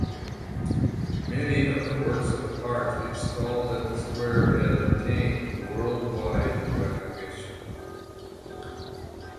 Many of the works of art installed at the square had obtained worldwide recognition.